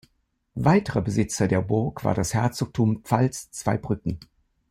Weiterer Besitzer der Burg war das Herzogtum Pfalz-Zweibrücken.